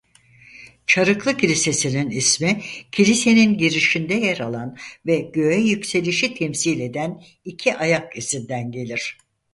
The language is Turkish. Çarıklı Kilisenin ismi kilisenin girişinde yer alan ve Göğe Yükselişi temsil eden iki ayak izinden gelir.